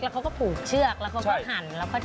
เขาก็ผูกเชือกแล้วเขาก็หั่นแล้วก็